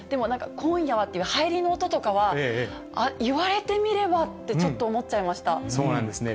今夜はっていう入りの音とかは、あっ、言われてみればって、そうなんですね。